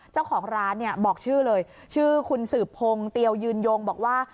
เจ้าของร้านเนี่ยบอกชื่อเลยชื่อคุณสืบพงศ์เตียวยืนยงบอกว่า